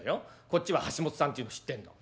こっちは橋本さんっていうの知ってんの。